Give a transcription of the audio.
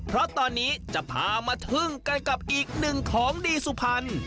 เพราะตอนนี้จะพามาทึ่งกันกับอีกหนึ่งของดีสุพรรณ